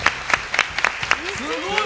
すごい！